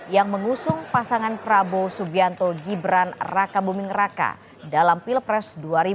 yang mengusung pasangan prabowo subianto gibran raka buming raka dalam pilpres dua ribu sembilan belas